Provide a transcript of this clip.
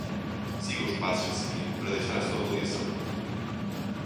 Siga os passos a seguir para deixar sua avaliação: